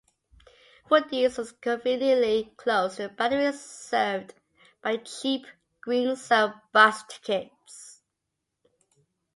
Woodies' was conveniently close to the boundary served by cheap "Green Zone" bus tickets.